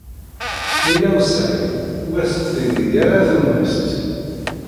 Lila u Saɛid ur as-d-teggri ara tumast.